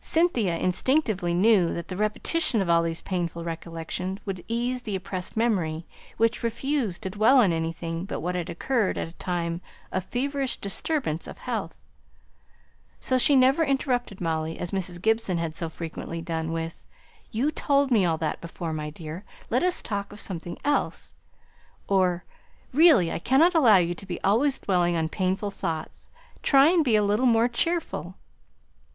Cynthia instinctively knew that the repetition of all these painful recollections would ease the oppressed memory, which refused to dwell on anything but what had occurred at a time of feverish disturbance of health. So she never interrupted Molly, as Mrs. Gibson had so frequently done, with "You told me all that before, my dear. Let us talk of something else;" or, "Really I cannot allow you to be always dwelling on painful thoughts. Try and be a little more cheerful.